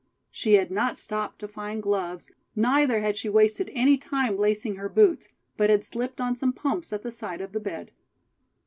She had not stopped to find gloves, neither had she wasted any time lacing her boots, but had slipped on some pumps at the side of the bed.